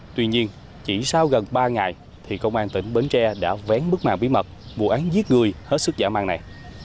tuy nhiên chỉ sau gần ba ngày thì công an tỉnh bến tre đã vén bức mạng bí mật vụ án giết người hết sức giả mạng này